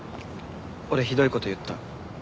俺ひどい事言った。